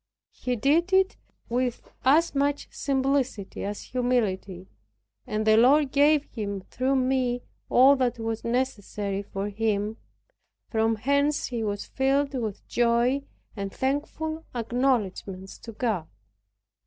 He did it with as much simplicity as humility, and the Lord gave him through me all that was necessary for him, from whence he was filled with joy, and thankful acknowledgments to God.